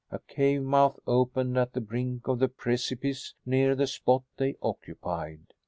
A cave mouth opened at the brink of the precipice near the spot they occupied.